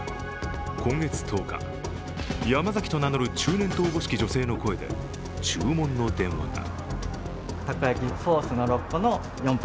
今月１０日、ヤマザキと名乗る中年とおぼしき女性の声で注文の電話が。